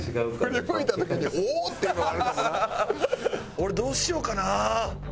俺どうしようかな？